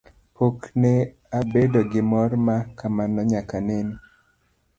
Pok ne abedo gi mor ma kamano nyaka nene.